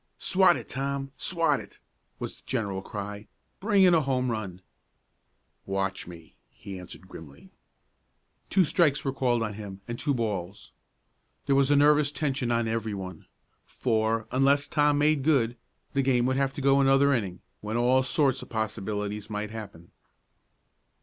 "Swat it, Tom. Swat it!" was the general cry. "Bring in a home run!" "Watch me," he answered grimly. Two strikes were called on him, and two balls. There was a nervous tension on everyone, for, unless Tom made good, the game would have to go another inning, when all sorts of possibilities might happen.